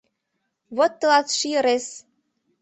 — Вот тылат ший ырес!..